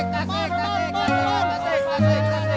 tasik tasik tasik